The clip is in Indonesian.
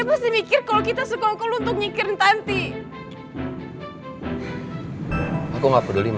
dari tangan riz